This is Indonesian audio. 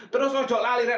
terus ada orang lain rek